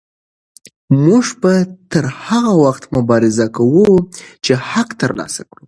موږ به تر هغه وخته مبارزه کوو چې حق ترلاسه کړو.